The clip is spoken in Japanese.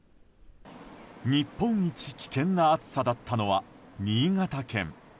日本一危険な暑さだったのは新潟県。